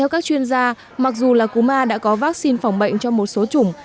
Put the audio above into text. các chuyên gia mặc dù là cúm a đã có vaccine phòng bệnh cho một số chủng